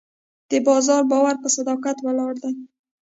د بازار باور په صداقت ولاړ وي.